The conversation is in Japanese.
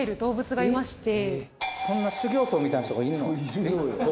そんな修行僧みたいな人がいるの？